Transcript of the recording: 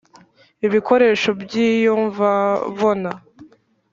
ibikoresho by’iyumvabona,